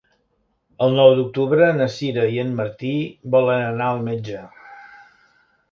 El nou d'octubre na Sira i en Martí volen anar al metge.